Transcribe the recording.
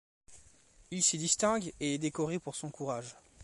Il s'y distingue et est décoré pour son courage.